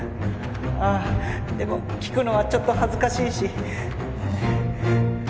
ああでも聞くのはちょっと恥ずかしいし。